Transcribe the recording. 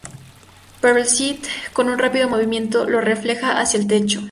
Pero el sith, con un rápido movimiento los refleja hacia el techo.